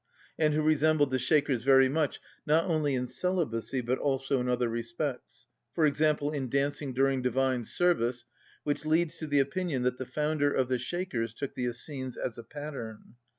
_, v. 15), and who resembled the Shakers very much, not only in celibacy, but also in other respects; for example, in dancing during divine service, which leads to the opinion that the founder of the Shakers took the Essenes as a pattern.